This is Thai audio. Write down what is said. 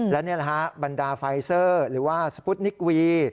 และนี่แหละฮะบรรดาไฟเซอร์หรือว่าสปุตนิกวี